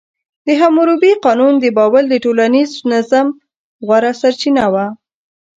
د حموربي قانون د بابل د ټولنیز نظم غوره سرچینه وه.